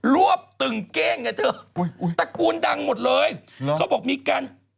รวบตึงเก้งกับเธอตระกูลดังหมดเลยเขาบอกมีการ